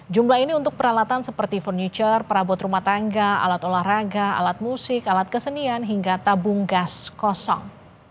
jumlah ini untuk peralatan seperti furniture perabot rumah tangga alat olahraga alat musik alat kesenian hingga tabung gas kosong